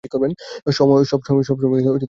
সব সময়ে পেরে ওঠে না।